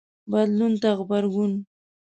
بدلون ته غبرګون